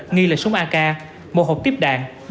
nghi là súng ak một hộp tiếp đạn